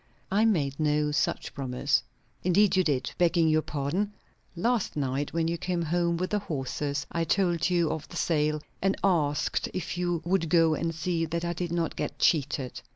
"I made no such promise." "Indeed you did, begging your pardon. Last night, when you came home with the horses, I told you of the sale, and asked you if you would go and see that I did not get cheated."